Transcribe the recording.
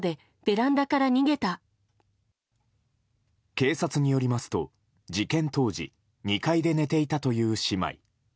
警察によりますと、事件当時２回で寝ていたという姉妹。